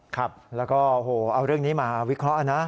ครับแล้วก็โอ้โหเอาเรื่องนี้มาวิเคราะห์นะ